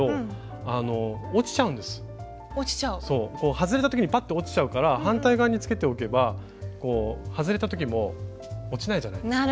外れた時にパッと落ちちゃうから反対側につけておけば外れた時も落ちないじゃないですか。